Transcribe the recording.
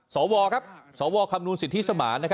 สอวครับสอวคำนวณสิทธิสมาน